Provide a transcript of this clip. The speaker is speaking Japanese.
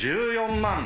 １４万。